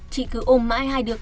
tri cứ ôm mãi hai đứa con